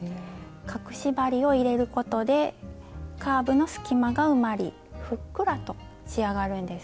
隠し針を入れることでカーブの隙間が埋まりふっくらと仕上がるんです。